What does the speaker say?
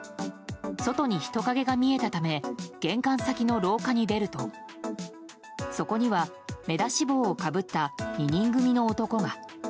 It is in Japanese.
外に人影が見えたため玄関先の廊下に出るとそこには目出し帽をかぶった２人組の男が。